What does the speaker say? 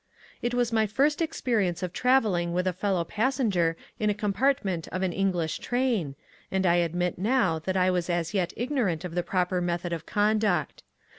It was my first experience of travelling with a fellow passenger in a compartment of an English train, and I admit now that I was as yet ignorant of the proper method of conduct.